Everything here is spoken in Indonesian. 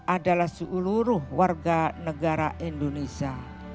adalah seluruh warga negara indonesia